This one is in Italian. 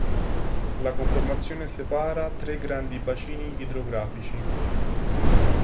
La conformazione separa tre grandi bacini idrografici.